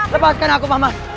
lepaskan aku paman